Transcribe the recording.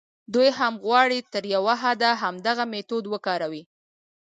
دوی هم غواړي تر یوه حده همدغه میتود وکاروي.